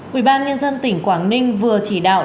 quỹ ban nhân dân tỉnh quảng ninh vừa chỉ đạo